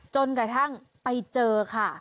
จนกระทั่งไปเจอค่ะ